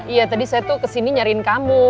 iya tadi saya tuh kesini nyariin kamu